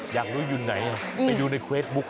อยากรู้อยู่ไหนอ่ะไปดูในเวสบุ๊คห้อ